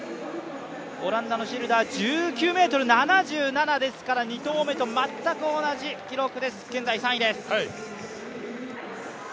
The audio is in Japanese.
オランダのシルダー、１９ｍ７７ですから２投目と全く同じ記録です、現在３位です。